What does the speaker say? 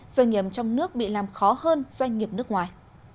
doanh nghiệp trong nước bị làm khó hơn doanh nghiệp nước ngoài